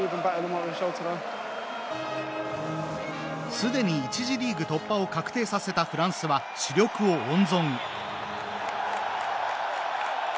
すでに１次リーグ突破を確定させたフランスは主力を温存。